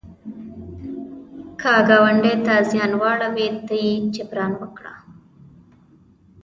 که ګاونډي ته زیان واړوي، ته یې جبران وکړه